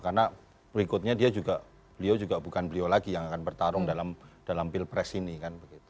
karena berikutnya dia juga beliau juga bukan beliau lagi yang akan bertarung dalam pilpres ini kan